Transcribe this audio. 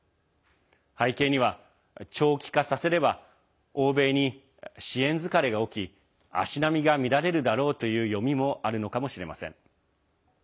背景には、長期化させれば欧米に支援疲れが起き足並みが乱れるだろうという読みもあるのかもしれません。